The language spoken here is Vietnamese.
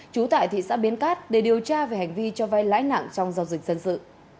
trú tại thị xã biến cát để điều tra về hành vi cho vay lãi nặng trong giao dịch dân sự